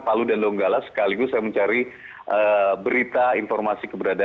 palu dan donggala sekaligus saya mencari berita informasi keberadaan